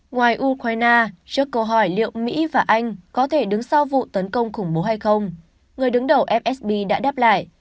ngoài ukraine trước câu hỏi liệu mỹ và anh có thể đứng sau vụ tấn công khủng bố hay không người đứng đầu msb đã đáp lại